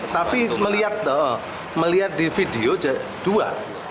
tapi melihat di video dua